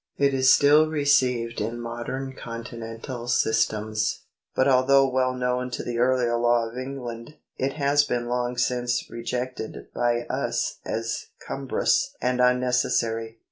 It is still received in modern Continental systems ; but although well known to the earlier law of England, it has been long since rejected by us as cumbrous and unnecessary.